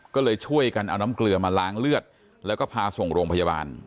ก็เลยช่วยกันเอาน้ำเกลือมาล้างเลือดแล้วก็พาส่งโรงพยาบาล